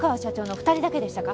２人だけでしたか？